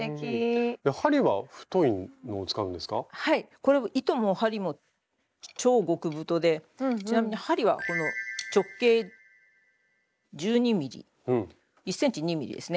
これ糸も針も超極太でちなみに針はこの直径１２ｍｍ１ｃｍ２ｍｍですね。